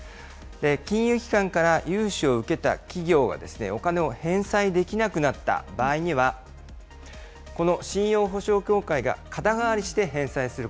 金融機関から融資を受けた企業がお金を返済できなくなった場合には、この信用保証協会が肩代わり